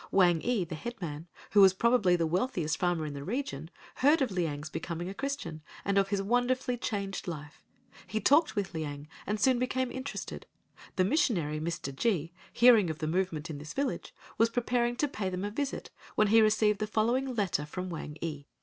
Wang ee, the headman, who was probably the wealthiest farmer in the region, heard of Liang's becoming a Christian, and of his wonderfully changed life. He talked with Liang and soon became interested. The Missionary, Mr. G——, hearing of the movement in this village, was preparing to pay them a visit when he received the following letter from Wang ee.